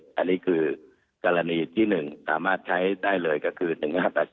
ทีนี้คือกรณีที่หนึ่งสามารถใช้ได้เลยก็คือ๑๕๘๔ตลอด๒๔ชั่วโมง